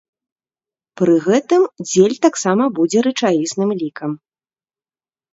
Пры гэтым дзель таксама будзе рэчаісным лікам.